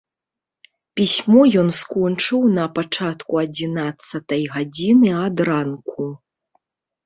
Пісьмо ён скончыў на пачатку адзінаццатай гадзіны ад ранку.